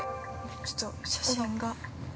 ちょっと写真が。